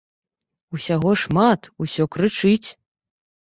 Усяго шмат, усё крычыць.